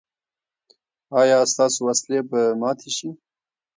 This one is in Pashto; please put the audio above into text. ایا ستاسو وسلې به ماتې شي؟